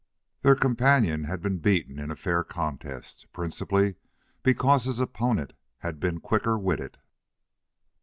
Their companion had been beaten in a fair contest, principally because his opponent had been quicker witted.